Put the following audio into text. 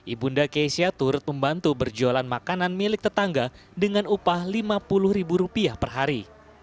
ibu ndake keisha turut membantu berjualan makanan milik tetangga dengan upah rp lima puluh per hari